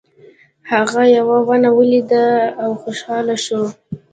هغه یوه ونه ولیده او خوشحاله شو.